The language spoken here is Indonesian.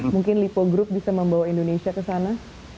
mungkin lipo group bisa membawa indonesia ke sana